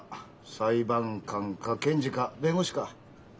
裁判官か検事か弁護士か。